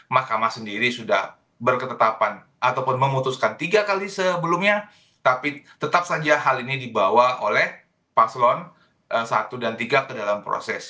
mahkamah sendiri sudah berketetapan ataupun memutuskan tiga kali sebelumnya tapi tetap saja hal ini dibawa oleh paslon satu dan tiga ke dalam proses